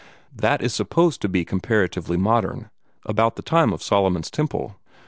That is supposed to be comparatively modern about the time of Solomon's Temple.